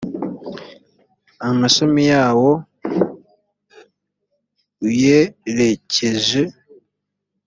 amashami yawo uyerekeje